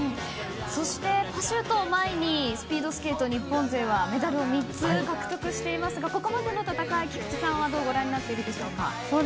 パシュートを前にスピードスケート日本勢はメダルを３つ獲得していますがここまでの戦いを、菊池さんはどうご覧になっていますか？